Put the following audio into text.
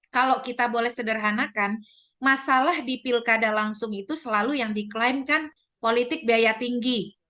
kalau kita boleh sederhanakan masalah di pilkada langsung itu selalu yang diklaimkan politik biaya tinggi